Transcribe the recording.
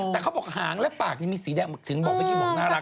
แต่เขาบอกหางและปากมีสีแดงมาถึงบอกพี่น่ารักนะ